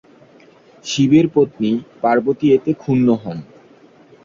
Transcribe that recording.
শিবের পত্নী পার্বতী এতে ক্ষুণ্ণ হন।